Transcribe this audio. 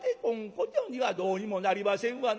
ことにはどうにもなりませんわな。